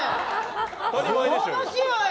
楽しいわよ！